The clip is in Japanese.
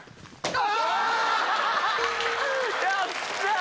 あ！